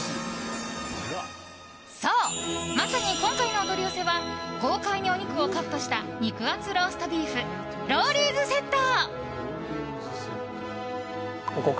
そう、まさに今回のお取り寄せは豪快にお肉をカットした肉厚ローストビーフロウリーズセット！